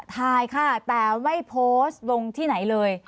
ถ่ายค่ะแต่ไม่โพสต์ลงที่ไหนเลย